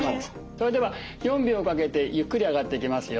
それでは４秒かけてゆっくり上がっていきますよ。